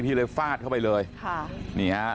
พี่เลยฟาดเข้าไปเลย